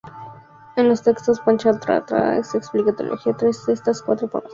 En los textos "Pancha-ratra" se explica la teología tras estas cuatro formas.